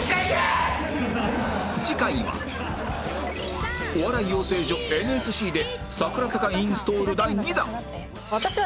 次回はお笑い養成所 ＮＳＣ で櫻坂インストール第２弾